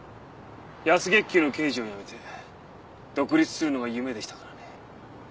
安月給の刑事を辞めて独立するのが夢でしたからね。